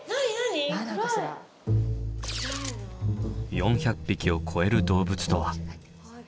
４００匹を超える動物とは。